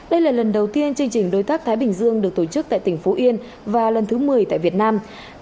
đây là lần đầu tiên chương trình đối tác thái bình dương được tổ chức tại tỉnh phú yên và lần thứ một mươi tại việt nam